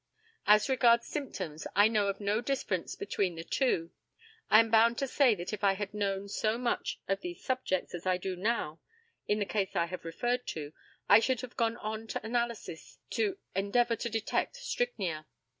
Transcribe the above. As regards symptoms, I know of no difference between the two. I am bound to say that if I had known so much of these subjects as I do now in the case I have referred to I should have gone on to analysis to endeavour to detect strychnia.